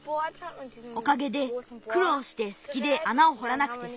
おかげでくろうしてすきであなをほらなくてすんだ。